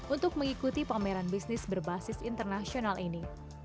untuk mengikuti pameran bisnis berbasis internasional ini